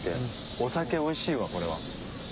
お酒おいしいわこれは。